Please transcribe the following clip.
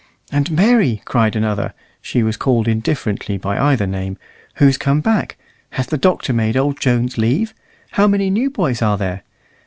"And, Mary," cried another (she was called indifferently by either name), "who's come back? Has the Doctor made old Jones leave? How many new boys are there?"